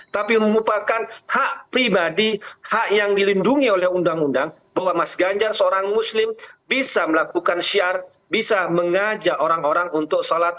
tapi merupakan hak pribadi hak yang dilindungi oleh undang undang bahwa mas ganjar seorang muslim bisa melakukan syiar bisa mengajak orang orang untuk sholat